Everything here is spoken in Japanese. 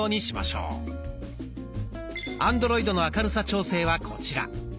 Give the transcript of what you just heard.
アンドロイドの明るさ調整はこちら。